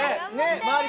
周り